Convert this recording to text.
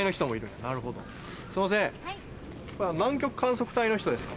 すいません南極観測隊の人ですか？